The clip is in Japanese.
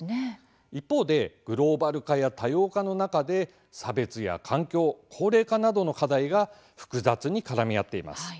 一方でグローバル化や多様化の中で差別や環境、高齢化などの課題が複雑に絡み合っています。